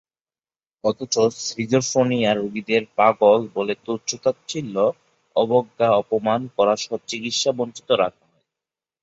অথচ সিজোফ্রেনিয়ার রোগীদের পাগল বলে তুচ্ছতাচ্ছিল্য, অবজ্ঞা, অপমান করাসহ চিকিৎসাবঞ্চিত রাখা হয়।